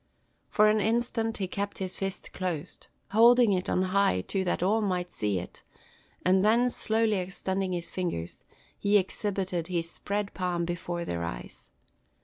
For an instant he kept his fist closed, holding it on high to that all might see it: and then, slowly extending his fingers, he exhibited his spread palm before their eyes.